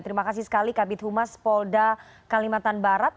terima kasih sekali kabit humas polda kalimantan barat